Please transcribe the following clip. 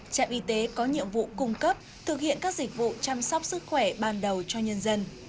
trạm y tế có nhiệm vụ cung cấp thực hiện các dịch vụ chăm sóc sức khỏe ban đầu cho nhân dân